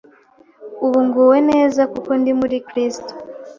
ubu nguwe neza kuko ndi muri kristo